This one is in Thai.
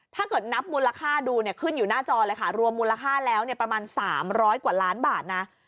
ถ้าเกิดนับมูลค่าดูเนี่ยขึ้นอยู่หน้าจอเลยค่ะรวมมูลค่าแล้วประมาณ๓๐๐กว่าล้านบาทนะ